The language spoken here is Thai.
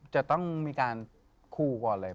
จะต้องมีการคู่ก่อนเลย